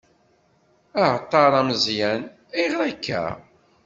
Aεeṭṭar ameẓyan: Ayγer akka?